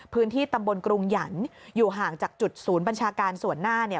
พื้นที่ตำบลกรุงหยันอยู่ห่างจากจุดศูนย์บัญชาการส่วนหน้าเนี่ย